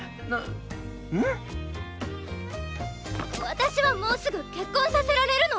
私はもうすぐ結婚させられるの！